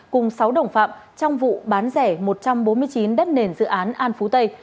cùng sáu đồng phạm trong vụ bán rẻ một trăm bốn mươi chín đất nền dự án an phú tây